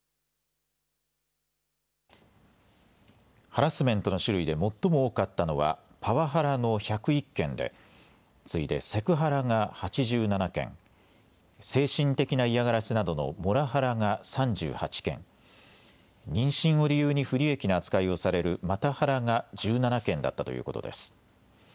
ハラスメントの種類で最も多かったのはパワハラの１０１件で次いでセクハラが８７件、精神的な嫌がらせなどのモラハラが３８件、妊娠を理由に不利益な扱いをされるマタハラが１７件だったということです。